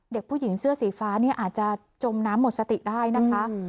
เด็กผู้หญิงเสื้อสีฟ้าเนี่ยอาจจะจมน้ำหมดสติได้นะคะ